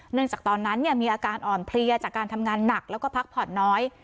จากตอนนั้นมีอาการอ่อนเพลียจากการทำงานหนักแล้วก็พักผ่อนน้อย